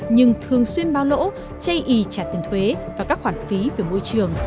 nhưng thường xuyên bao lỗ chây ý trả tiền thuế và các khoản phí về môi trường